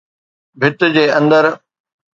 ڀت جي اندر.